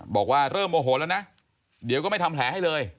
บอกว่าเริ่มโอโหแล้วนะเดี๋ยวก็ไม่ทำแผลให้เลย